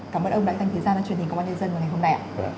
cảm ơn ông đại thanh thí gia đã truyền hình công an nhân dân ngày hôm nay